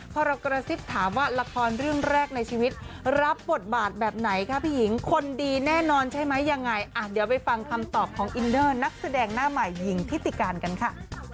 พอเรากระซิบถามว่าละครเรื่องแรกในชีวิตรับบทบาทแบบไหนคะพี่หญิงคนดีแน่นอนใช่ไหมยังไงอ่ะเดี๋ยวไปฟังคำตอบของอินเดอร์นักแสดงหน้าใหม่หญิงทิติการกันค่ะ